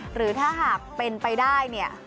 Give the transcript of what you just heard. หรือถ้าหากเป็นไปได้เนี่ย